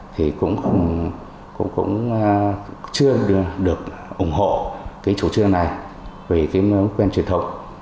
thì cũng chưa được ủng hộ chủ trương này vì quen truyền thống